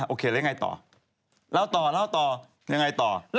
โอเคแล้วยังไงต่อ